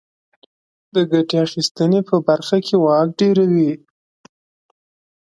د ګټې اخیستنې په برخه کې واک ډېروي.